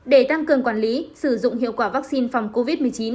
để tăng cường quản lý sử dụng hiệu quả vaccine phòng covid một mươi chín